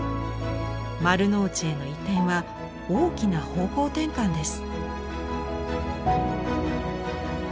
丸の内への移転は大きな方向転換です。